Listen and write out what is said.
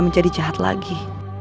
menjadi jahat lagi